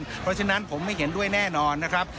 เพราะฉะนั้นผมไม่เห็นด้วยแน่นอนนะครับ